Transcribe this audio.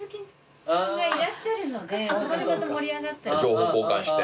情報交換して。